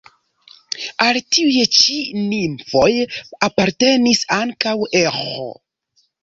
Al tiuj ĉi nimfoj apartenis ankaŭ Eĥo.